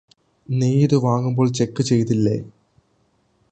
നീയിത് വാങ്ങുമ്പോൾ ചെക്ക് ചെയ്തില്ലേ